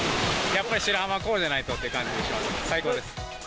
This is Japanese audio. やっぱり白浜はこうじゃないとって感じがします、最高です。